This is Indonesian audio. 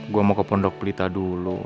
gue mau ke pondok pelita dulu